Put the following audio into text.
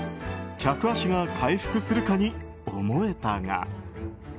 客足が回復するかに思えたが。